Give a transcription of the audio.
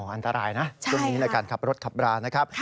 อ๋ออันทรายนะตรงนี้การขับรถขับรานะครับ